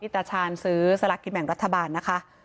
ตาชาญซื้อสลากกินแบ่งรัฐบาลนะคะ